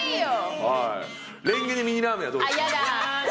レンゲでミニラーメンはどうですか？